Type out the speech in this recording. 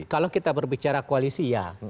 kalau kita berbicara koalisi ya